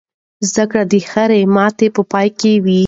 زده کړه د هرې ماتې په پای کې وي.